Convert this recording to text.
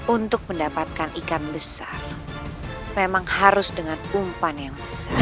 untuk mendapatkan ikan besar memang harus dengan umpan yang besar